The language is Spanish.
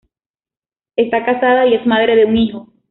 Está casada y es madre de un hijo.